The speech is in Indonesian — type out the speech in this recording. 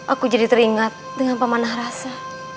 aku jadi teringat dengan pemanah rasa